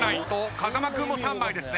風間君も３枚ですね。